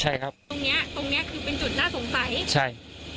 ใช่ครับตรงเนี้ยตรงเนี้ยคือเป็นจุดน่าสงสัยใช่